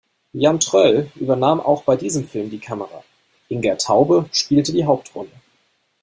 Jan Troell übernahm auch bei diesem Film die Kamera, Inger Taube spielte die Hauptrolle.